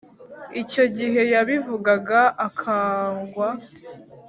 icyo gihe yabivugaga akangwa